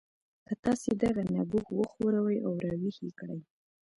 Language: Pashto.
که تاسې دغه نبوغ وښوروئ او راویښ یې کړئ